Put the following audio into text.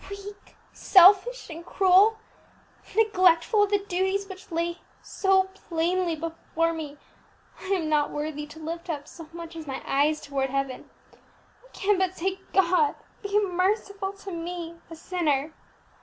Weak, selfish, and cruel, neglectful of the duties which lay so plainly before me, I am not worthy to lift up so much as my eyes towards Heaven; I can but say, God be merciful to me a sinner!